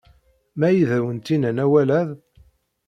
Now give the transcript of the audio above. Ma ay d awent-innan awal-ad?